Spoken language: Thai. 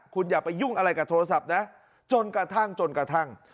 คุณอย่าไปยุ่งอะไรกับโทรศัพท์นะจนกระทั่งจนกระทั่ง